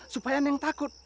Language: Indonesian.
supaya neng takut